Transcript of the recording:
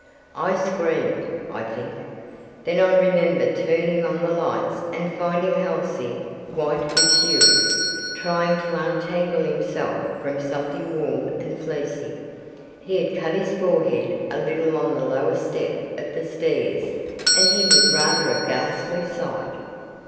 I screamed, I think. Then I remember turning on the lights and finding Halsey, white with fury, trying to untangle himself from something warm and fleecy. He had cut his forehead a little on the lowest step of the stairs, and he was rather a ghastly sight.